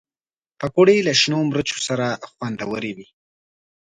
پکورې له شنو مرچو سره خوندورې وي